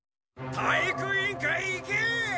体育委員会いけ！